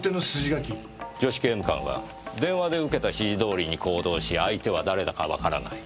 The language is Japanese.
女子刑務官は電話で受けた指示通りに行動し相手は誰だかわからない。